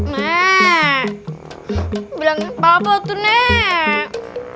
nek bilangin papa tuh nek